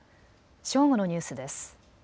正午のニュースです。